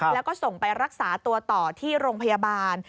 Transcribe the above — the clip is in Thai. แล้วก็ส่งไปรักษาตัวต่อที่โรงพยาบาล